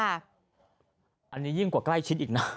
อันนี้ยิ่งกว่าใกล้ชิดอีกนะ